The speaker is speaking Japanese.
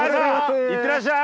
いってらっしゃい！